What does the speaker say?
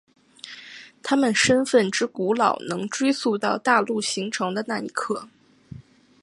他们身份之古老能追溯到大陆形成的那一刻。